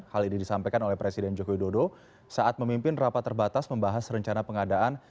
hal ini disampaikan oleh presiden joko widodo saat memimpin rapat terbatas membahas rencana pengadaan